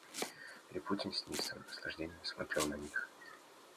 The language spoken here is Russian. Липутин с неистовым наслаждением смотрел на них.